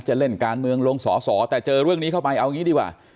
จะเล่นการเมืองลงสอสอแต่เจอเรื่องนี้เข้าไปเอางี้ดีกว่า